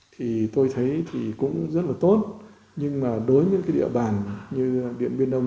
thì tôi thấy thì cũng rất là tốt nhưng mà đối với những cái địa bàn như điện biên đông